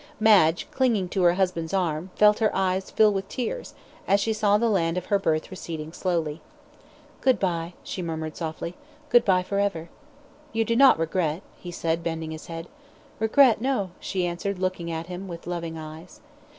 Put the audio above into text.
Madge, clinging to her husband's arm, felt her eyes fill with tears, as she saw the land of her birth receding slowly. "Good bye," she murmured, softly. "Good bye for ever." "You do not regret?" he said, bending his head. "Regret, no," she answered, looking at him with loving eyes.